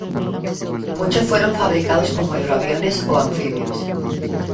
Muchos fueron fabricados como hidroaviones o anfibios.